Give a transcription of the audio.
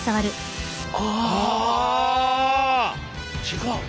違う。